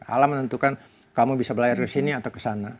alam menentukan kamu bisa belajar kesini atau kesana